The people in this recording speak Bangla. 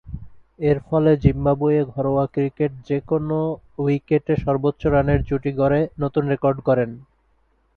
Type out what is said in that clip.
এরফলে, জিম্বাবুয়ের ঘরোয়া ক্রিকেটে যে-কোন উইকেটে সর্বোচ্চ রানের জুটি গড়ে নতুন রেকর্ড গড়েন।